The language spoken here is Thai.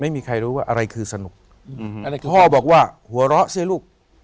ไม่มีใครรู้ว่าอะไรคือสนุกพ่อบอกว่าหัวเราะเสร็จเลยลูก